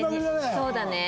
そうだね。